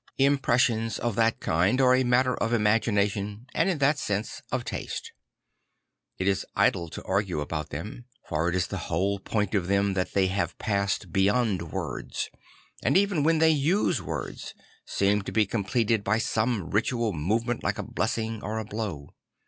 Impressions of that kind are a matter of imagina tion and in that sense of taste. It is idle to argue about them; for it is the whole point of them tha t they have passed beyond words; and even ,vhen they use \vords, seem to be completed by some ritual movement like a blessing or a blow.